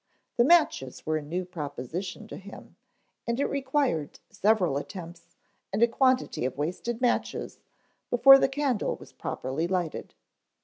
The matches were a new proposition to him, and it required several attempts and a quantity of wasted matches before the candle was properly lighted.